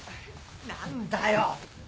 何だよ。